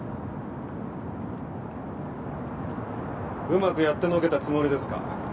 うまくやってのけたつもりですか？